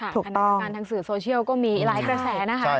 ถูกต้องคณะการทางสื่อโซเชียลก็มีอีกหลายเปอร์แสนะคะใช่